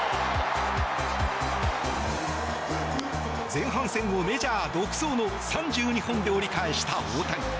前半戦をメジャー独走の３２本で折り返した大谷。